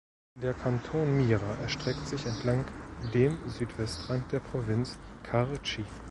Der Kanton Mira erstreckt sich entlang dem Südwestrand der Provinz Carchi.